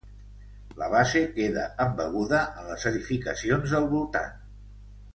La base queda embeguda en les edificacions del voltant.